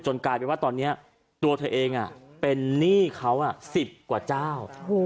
กลายเป็นว่าตอนนี้ตัวเธอเองเป็นหนี้เขา๑๐กว่าเจ้า